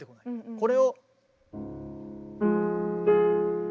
これを。